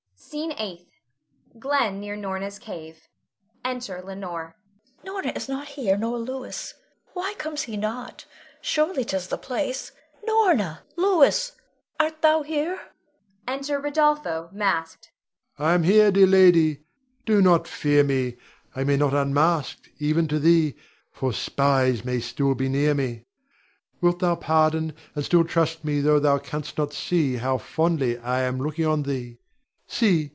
SCENE EIGHTH. [Glen near Norna's cave. Enter Leonore.] Leonore. Norna is not here, nor Louis. Why comes he not? Surely 'tis the place. Norna! Louis! art thou here? [Enter Rodolpho, masked. Rod. I am here, dear lady. Do not fear me; I may not unmask even to thee, for spies may still be near me. Wilt thou pardon, and still trust me tho' thou canst not see how fondly I am looking on thee. See!